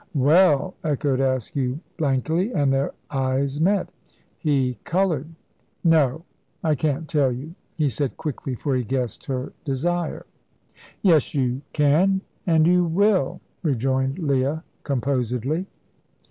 "Well!" echoed Askew, blankly, and their eyes met. He coloured. "No, I can't tell you," he said quickly, for he guessed her desire. "Yes, you can, and you will," rejoined Leah, composedly.